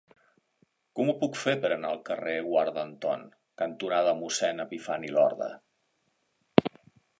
Com ho puc fer per anar al carrer Guarda Anton cantonada Mossèn Epifani Lorda?